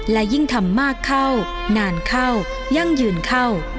และยิ่งทำมากเข้านานเข้ายั่งยืนเข้า